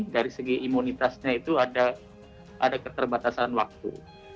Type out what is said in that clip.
dari segi imunitasnya itu ada keterbatasan waktu